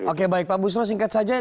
oke baik pak busro singkat saja